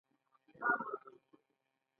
د ژوند له ستونزو سره لاس او ګرېوان دي.